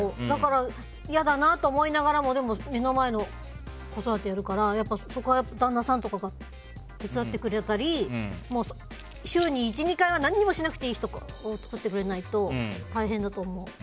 だから、嫌だなと思いながらも目の前の子育てをやるからそこは旦那さんとかが手伝ってくれたり週に１２回は何もしなくていい日とかを作ってくれないと大変だと思う。